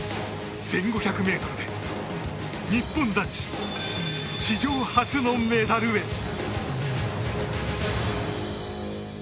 １５００ｍで日本男子史上初のメダルへ。